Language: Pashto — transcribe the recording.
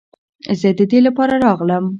زه د دې لپاره راغلم.